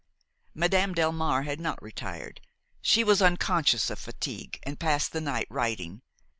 Madame Delmare had not retired; she was unconscious of fatigue and passed the night writing.